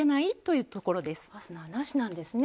ファスナーなしなんですね。